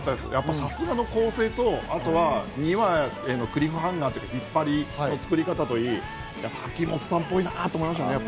さすがの構成と２話へのクリフハンガーというか、引っ張り、作り、秋元さんっぽいなと思いました。